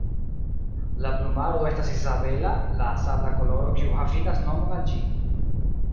La plumaro estas izabela, la sabla koloro kiu havigas nomon al ĝi.